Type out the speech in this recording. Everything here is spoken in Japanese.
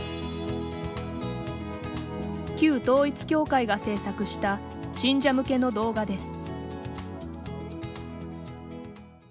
旧統一教会が制作した信者向けの動画です。